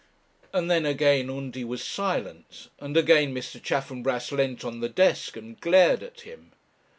And then again Undy was silent; and again Mr. Chaffanbrass leant on the desk and glared at him.